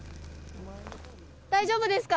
大丈夫ですか？